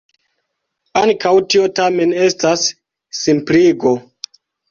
Ankaŭ tio tamen estas simpligo.